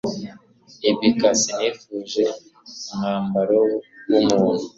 ibk sinifuje umwambaro w umuntu